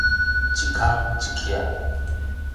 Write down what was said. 一空一隙